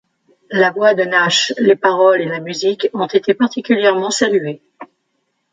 La voix de Nash, les paroles et la musique ont été particulièrement salués.